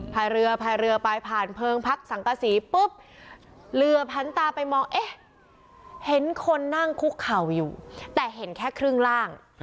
พายเรือพายเรือไปผ่านเพลิงพักสังกษีปุ๊บเรือพันตาไปมองเอ๊ะเห็นคนนั่งคุกเข่าอยู่แต่เห็นแค่ครึ่งล่าง